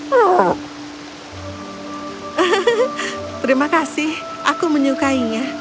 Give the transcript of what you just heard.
hahaha terima kasih aku menyukainya